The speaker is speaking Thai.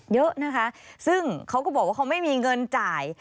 เยอะนะคะซึ่งเขาก็บอกว่าเขาไม่มีเงินจ่าย